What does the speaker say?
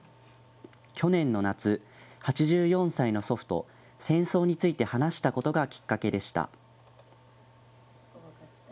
去年の夏、８４歳の祖父と戦争について話したことがきっかけでした。